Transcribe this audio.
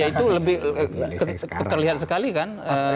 ya itu lebih terlihat sekali kan